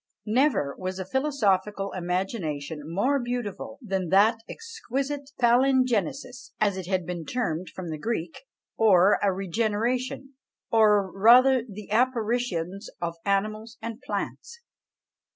Never was a philosophical imagination more beautiful than that exquisite Palingenesis, as it has been termed from the Greek, or a regeneration: or rather the apparitions of animals and plants.